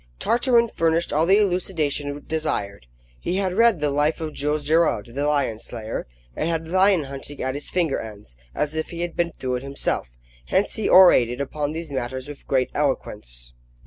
Tartarin furnished all the elucidation desired. He had read "The Life of Jules Gerard, the Lion Slayer," and had lion hunting at his finger ends, as if he had been through it himself. Hence he orated upon these matters with great eloquence.